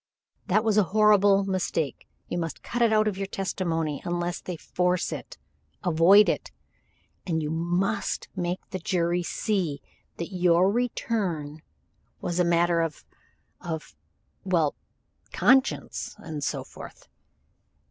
"That was a horrible mistake. You must cut it out of your testimony unless they force it. Avoid it. And you must make the jury see that your return was a matter of of well, conscience and so forth."